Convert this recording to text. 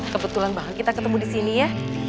kebetulan banget kita ketemu disini ya